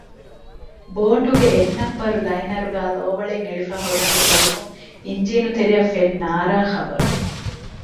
ބޯޓުގެ އެއް ނަންބަރު ލައިނަރުގައި ލޯވަޅެއް އެޅިފައި ހުރުމުގެ ސަބަބުން އިންޖީނު ތެރެއަށް ފެން ނާރާ ޚަބަރު